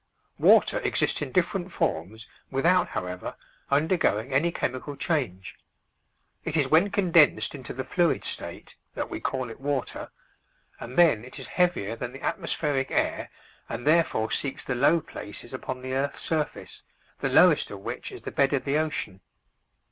Water exists in different forms without, however, undergoing any chemical change. It is when condensed into the fluid state that we call it "water," and then it is heavier than the atmospheric air and therefore seeks the low places upon the earth's surface, the lowest of which is the bed of the ocean.